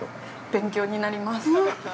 ◆勉強になります。